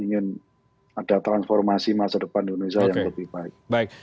dan kita juga ingin ada transformasi masa depan di indonesia yang lebih baik